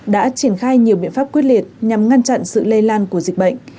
đã triển khai nhiều biện pháp quyết liệt nhằm ngăn chặn sự lây lan của dịch bệnh